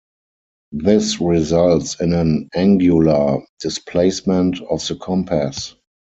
This results in an angular displacement of the compass.